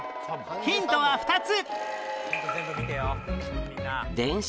ヒントは２つ！